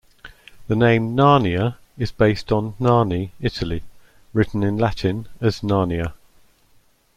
The name "Narnia" is based on Narni, Italy, written in Latin as "Narnia".